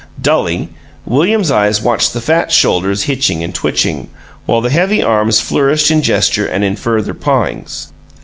Dully, William's eyes watched the fat shoulders hitching and twitching, while the heavy arms flourished in gesture and in further pawings.